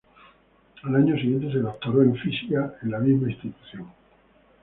Al año siguiente se doctoró en física en la misma institución.